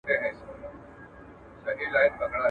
چي زموږ پر خاوره یرغلونه کیږي!